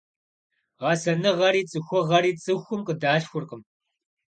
Гъэсэныгъэри цӏыхугъэри цӏыхум къыдалъхуркъым.